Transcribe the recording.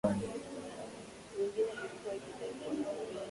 Utanipa chakula nikule nikifika nyumbani